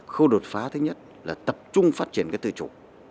khâu đột phá thứ nhất là tập trung phát triển cái tự chủ